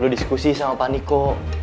diskusi sama pak niko